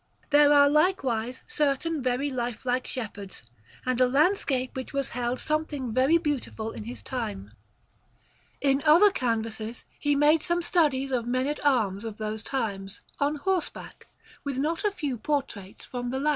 There are likewise certain very lifelike shepherds, and a landscape which was held something very beautiful in his time. In the other canvases he made some studies of men at arms of those times, on horseback, with not a few portraits from the life.